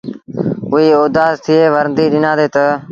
اُئي اُدآس ٿئي ورنديٚ ڏنآندي تا۔